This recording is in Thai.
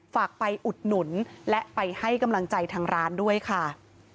ฝากไปอุดหนุนและไปให้กำลังใจทางร้านด้วยค่ะ